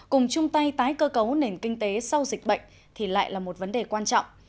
cùng chung tay tái cơ cấu nền kinh tế sau dịch bệnh thì lại là một vấn đề quan trọng